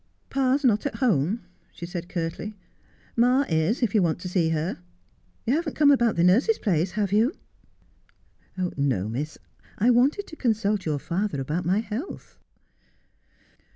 ' Pa's not at home,' she said curtly. ' Ma is, if you want to see her. You haven't come about the nurse's place, have you 1 ' 'No, miss. I wanted to consult your father about my health.'